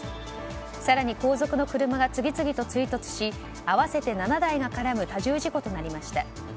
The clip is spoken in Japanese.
更に、後続の車が次々と追突し合わせて７台が絡む多重事故となりました。